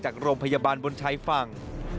จากโรงพยาบาลบนชายฝั่ง